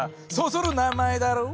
そそる名前だろ？